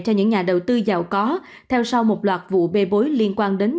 cho những nhà đầu tư giàu có theo sau một loạt vụ bê bối liên quan đến